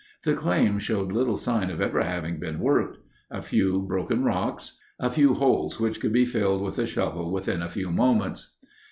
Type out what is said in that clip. The claim showed little sign of ever having been worked. A few broken rocks. A few holes which could be filled with a shovel within a few moments.